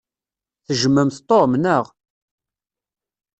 Tejjmemt Tom, naɣ?